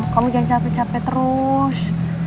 kamu jangan capek capek terus